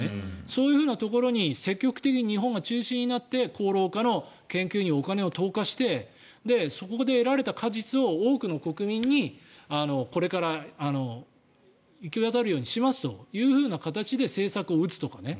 そういうところに積極的に日本が中心となって抗老化の研究にお金を投下してそこで得られた果実を多くの国民にこれから行き渡るようにしますという形で政策を打つとかね。